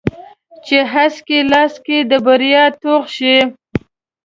چې هسک یې لاس کې د بریا توغ شي